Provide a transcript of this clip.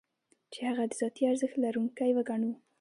چې هغه د ذاتي ارزښت لرونکی وګڼو.